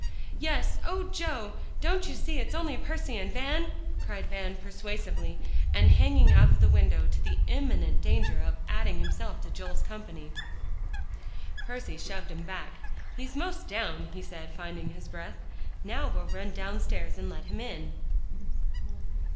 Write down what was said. "Yes, oh, Joe! don't you see it's only Percy and Van?" cried Van persuasively, and hanging out of the window to the imminent danger of adding himself to Joel's company. Percy shoved him back. "He's 'most down," he said, finding his breath. "Now we'll run downstairs and let him in."